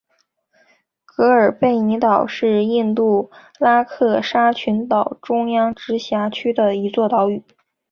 格尔贝尼岛是印度拉克沙群岛中央直辖区的一座岛屿。